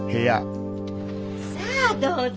さあどうぞ。